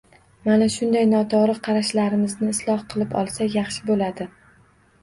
Mana shunday noto‘g‘ri qarashlarimizni isloh qilib olsak, yaxshi bo‘ladi.